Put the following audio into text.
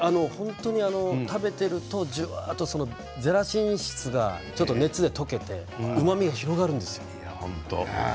食べているとじゅわっとゼラチン質が熱で溶けてうまみが広がるんですよ。